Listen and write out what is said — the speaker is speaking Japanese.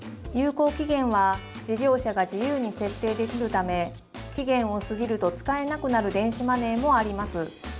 有効期限は事業者が自由に設定できるため期限を過ぎると使えなくなる電子マネーもあります。